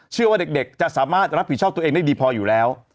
เชื่อว่าเด็กจะสามารถรับผิดชอบตัวเองได้ดีพออยู่แล้ว